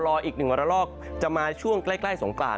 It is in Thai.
รออีกหนึ่งวันละรอกจะมาช่วงใกล้สงกราญ